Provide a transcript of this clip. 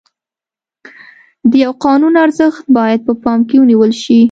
د یوه قانون ارزښت باید په پام کې ونیول شي.